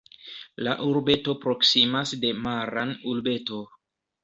La urbeto proksimas de Maran urbeto.